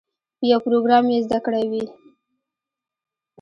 یو پروګرام یې زده کړی وي.